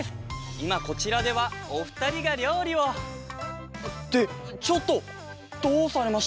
いまこちらではおふたりがりょうりをってちょっとどうされましたか？